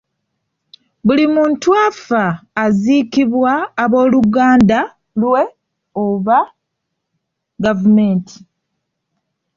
Buli muntu afa aziikibwa abooluganda lwe oba gavumenti.